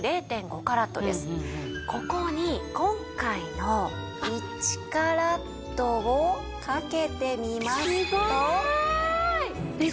ここに今回の１カラットを掛けてみますと。